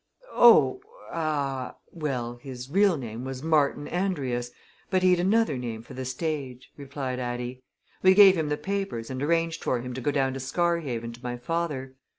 "Oh ah! well, his real name was Martin Andrius, but he'd another name for the stage," replied Addie. "We gave him the papers and arranged for him to go down to Scarhaven to my father.